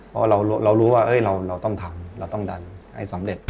เพราะเรารู้ว่าเราต้องทำเราต้องดันให้สำเร็จ